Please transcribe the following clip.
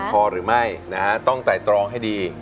จะพอหรือไม่ต้องใส่ตรองให้ดี